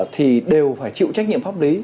thì đều phải chịu trách nhiệm pháp lý